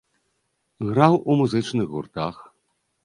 Граў у музычных гуртах.